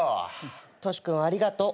トシ君ありがとう。